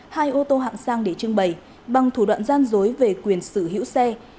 hai ô tô hạng sang để trưng bày bằng thủ đoạn gian dối về quyền sở hữu xe